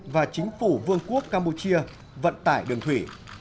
và chính phủ vương quốc campuchia vận tải đường thủy